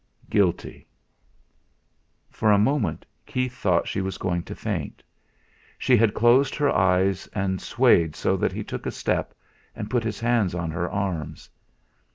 "Guilty." For a moment Keith thought she was going to faint. She had closed her eyes, and swayed so that he took a step, and put his hands on her arms.